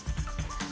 terima kasih juga